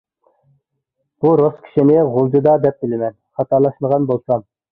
بۇ رۇس كىشىنى غۇلجىدا دەپ بىلىمەن، خاتالاشمىغان بولسام.